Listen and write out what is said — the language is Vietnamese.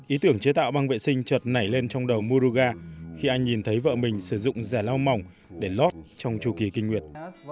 ý tưởng chế tạo băng vệ sinh trật nảy lên trong đầu muga khi anh nhìn thấy vợ mình sử dụng rẻ lau mỏng để lót trong chu kỳ kinh nguyệt